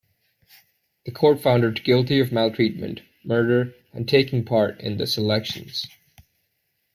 The court found her guilty of maltreatment, murder and taking part in the "selections".